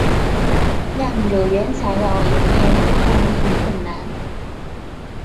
酿酒原材料也面临供应困难。